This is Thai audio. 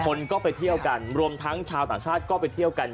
คนก็ไปเที่ยวกันรวมทั้งชาวต่างชาติก็ไปเที่ยวกัน